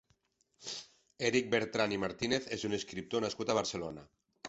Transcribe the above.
Èric Bertran i Martínez és un escriptor nascut a Barcelona.